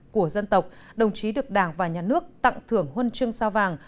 của dân tộc đồng chí được đảng và nhà nước tặng thưởng huân chương sao vàng